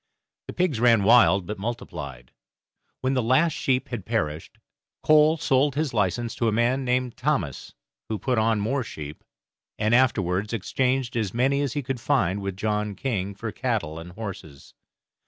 The pigs ran wild, but multiplied. When the last sheep had perished, Cole sold his license to a man named Thomas, who put on more sheep, and afterwards exchanged as many as he could find with John King for cattle and horses.